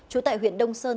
chủ tại huyện đông sơn